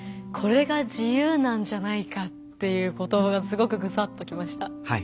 「これが自由なんじゃないか」という言葉がすごくグサッときました。